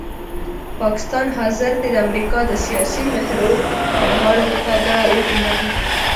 پاکستان حاضر دی د امریکا د سیاسي مهرو لوبغاړو په توګه ګوماري.